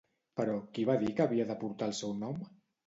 Però, qui va dir que havia de portar el seu nom?